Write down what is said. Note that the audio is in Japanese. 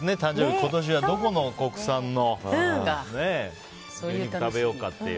今年はどこの国産のお肉食べようかっていう。